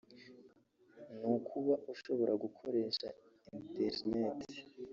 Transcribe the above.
ni ukuba ushobora gukoresha internet